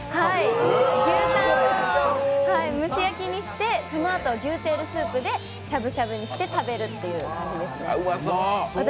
牛タンを蒸し焼きにしてそのあと、牛テールスープでしゃぶしゃぶにして食べるっていう。